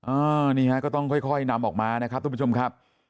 นี่ฮะก็ต้องค่อยนำออกมานะครับทุกผู้ชมครับ